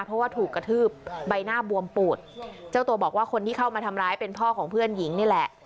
เพราะว่าถูกกระทืบใบหน้าบวมปูดเจ้าตัวบอกว่าคนที่เข้ามาทำร้ายเป็นพ่อของเพื่อนหญิงนี่แหละ